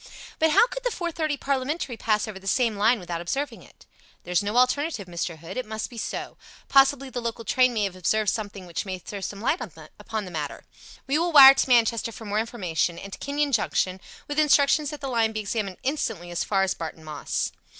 "But how could the four fifty parliamentary pass over the same line without observing it?" "There's no alternative, Mr. Hood. It must be so. Possibly the local train may have observed something which may throw some light upon the matter. We will wire to Manchester for more information, and to Kenyon Junction with instructions that the line be examined instantly as far as Barton Moss."